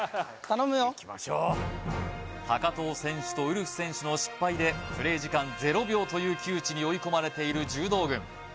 いきましょう藤選手とウルフ選手の失敗でプレイ時間０秒という窮地に追い込まれている柔道軍